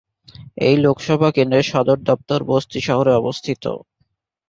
এই লোকসভা কেন্দ্রের সদর দফতর বস্তি শহরে অবস্থিত।